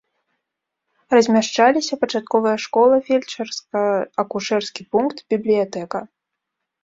Размяшчаліся пачатковая школа, фельчарска-акушэрскі пункт, бібліятэка.